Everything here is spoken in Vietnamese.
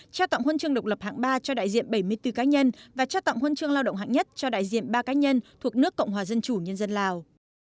trao tặng huân chương độc lập hạng ba cho đại diện bảy mươi bốn cá nhân và trao tặng huân chương lao động hạng nhất cho đại diện ba cá nhân thuộc nước cộng hòa dân chủ nhân dân lào